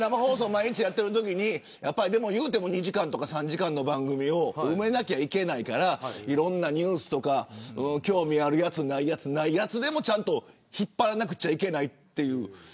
毎日やっているときに２時間とか３時間の番組を埋めなきゃいけないからいろんなニュースとか興味があるやつないやつでもちゃんと引っ張らなくちゃいけないという。